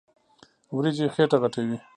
وريجې خيټه غټوي.